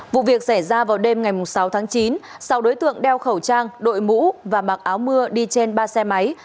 vụ việc xảy ra vào đêm ngày sáu tháng chín sau đối tượng đeo khẩu trang đội mũ và mặc áo mưa đi trên ba xe máy